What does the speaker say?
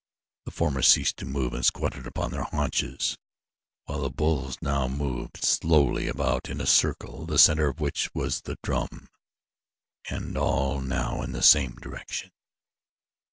The former ceased to move and squatted upon their haunches, while the bulls now moved slowly about in a circle the center of which was the drum and all now in the same direction.